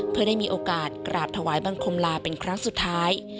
เพื่อได้มีโอกาสกราบถวายบังคมลาเป็นครั้งสุดท้าย